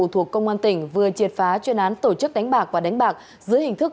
thuộc công an tỉnh vừa triệt phá chuyên án tổ chức đánh bạc và đánh bạc dưới hình thức